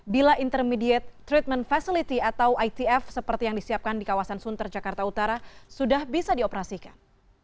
bila intermediate treatment facility atau itf seperti yang disiapkan di kawasan sunter jakarta utara sudah bisa dioperasikan